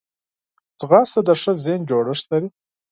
ځغاسته د ښه ذهن جوړښت لري